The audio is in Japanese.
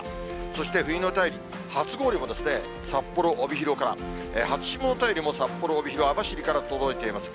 そして冬の便り、初氷も札幌、帯広から、初霜の便りも、札幌、帯広、網走から届いています。